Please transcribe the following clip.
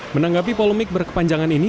menanggapi polemik berkepanjangan ini